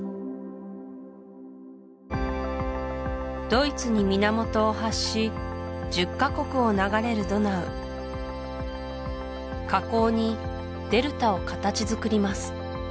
ドイツに源を発し１０カ国を流れるドナウ河口にデルタを形づくります